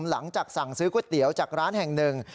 หลังจากสั่งซื้อก๋วยเตี๋ยวจากร้านแห่งหนึ่ง